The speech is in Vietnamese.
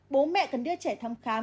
bố mẹ cần đưa trẻ thăm khám